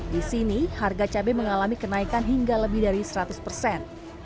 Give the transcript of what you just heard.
di sini harga cabai mengalami kenaikan hingga lebih dari seratus persen